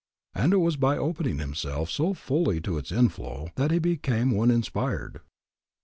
And it was by opening himself so fully to its inflow that he became one inspired.